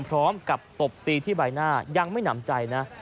พร้อมกับตบตีที่ใบหน้ายังไม่หนำใจนะ